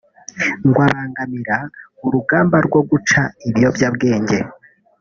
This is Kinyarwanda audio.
ngo abangamira urugamba rwo guca ibiyobyabwenge